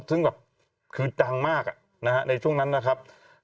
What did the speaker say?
ซึ่งแบบคือดังมากในช่วงนั้นนะครับ